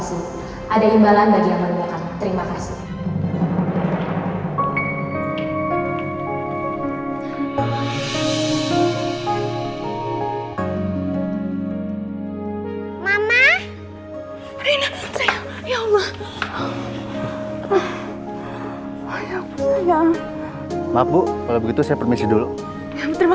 sampai jumpa di video selanjutnya